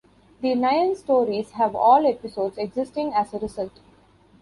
The nine stories have all episodes existing as a result.